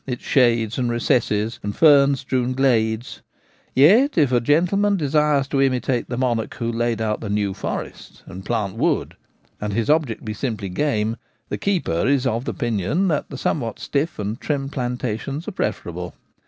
its shades and recesses and fern strewn glades, yet if a gentleman desires to imitate the monarch who laid out the New Forest and plant wood, and his object be simply game, the keeper is of opinion that the somewhat stiff and trim plantations are preferable.